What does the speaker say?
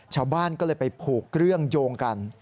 ชาวบ้านก็เลยไปผูกเรื่องโยงกัน